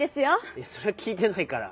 いやそれはきいてないから。